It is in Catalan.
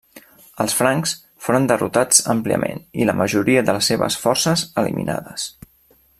Els francs foren derrotats àmpliament i la majoria de les seves forces eliminades.